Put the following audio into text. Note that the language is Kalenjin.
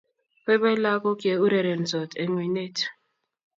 Boiboi lagok ya urerensot eng' oinet